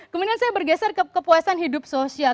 kemudian saya bergeser ke kepuasan hidup sosial